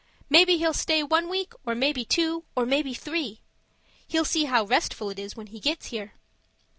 Maybe he'll stay one week, or maybe two, or maybe three; he'll see how restful it is when he gets here.